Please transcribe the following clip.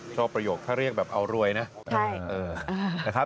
ประโยคถ้าเรียกแบบเอารวยนะ